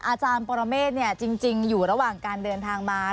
อาจารย์ปรเมฆจริงอยู่ระหว่างการเดินทางมา